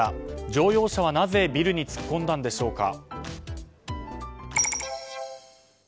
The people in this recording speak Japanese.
乗用車はなぜビルに突っ込んだのでしょうか。